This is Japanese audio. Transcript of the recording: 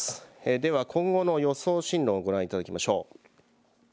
では今後の予想進路をご覧いただきましょう。